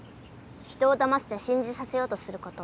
人をだましてしんじさせようとすること。